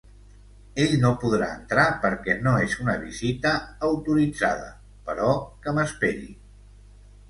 Ell no podrà entrar perquè no és una visita autoritzada, però que m’esperi.